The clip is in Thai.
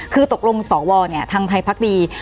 คือตกลงสวเนี่ยทางไทยพักดี